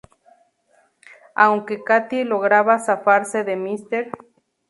Aunque Katie logra zafarse de Mr.